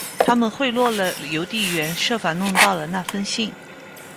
他们贿赂了邮递员，设法弄到了那封信。